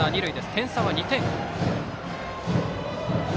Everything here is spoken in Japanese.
点差は２点。